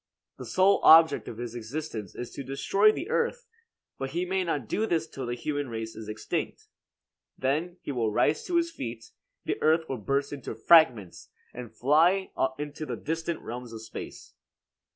The sole object of his existence is to destroy the earth; but he may not do this till the human race is extinct. Then he will rise to his feet, the earth will burst into fragments and fly into the distant realms of space.